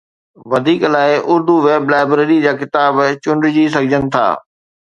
وڌيڪ لاءِ Urdu web library جا ڪتاب چونڊجي سگهجن ٿا